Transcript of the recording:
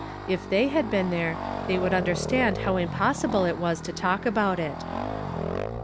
If they had been there, they would understand how impossible it was to talk about it.